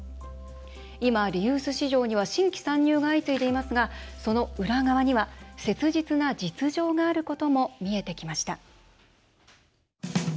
今、リユース市場には新規参入が相次いでいますがその裏側には、切実な実情があることも見えてきました。